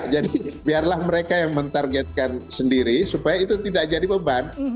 jadi biarlah mereka yang mentargetkan sendiri supaya itu tidak jadi beban